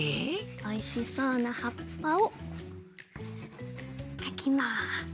おいしそうなはっぱをかきます。